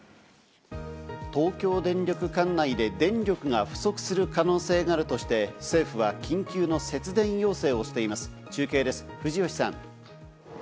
東京電力管内で電力が不足する可能性があるとして、政府は緊急の節電要請をしています。